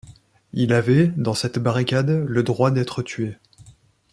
Il avait, dans cette barricade, le droit d’être tué.